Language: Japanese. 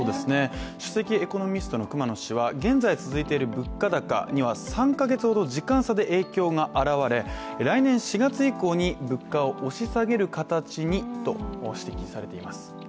首席エコノミストの熊野氏は現在続いている物価高には３か月ほど時間差で影響が表れ、来年４月以降に物価を押し下げる形にと指摘されています。